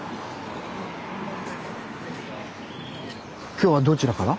今日はどちらから？